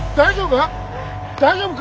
大丈夫？